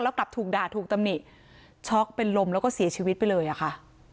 แล้วกลับถูกด่าถูกตำหนิช็อกเป็นลมแล้วก็เสียชีวิตไปเลยอะค่ะ